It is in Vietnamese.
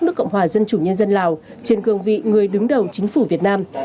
nước cộng hòa dân chủ nhân dân lào trên cương vị người đứng đầu chính phủ việt nam